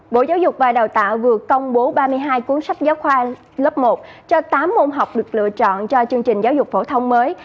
bộ giáo dục và đào tạo vừa công bố ba mươi hai cuốn sách giáo khoa lớp một cho tám môn học được lựa chọn cho chương trình giáo dục phổ thông mới